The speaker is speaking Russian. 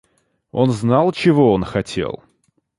Он знал, чего он хотел.